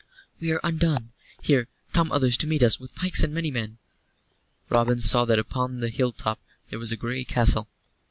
"We are undone! Here come others to meet us, with pikes and many men!" Robin saw that upon the hill top there was a grey castle.